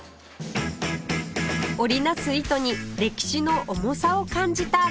織り成す糸に歴史の重さを感じた純ちゃん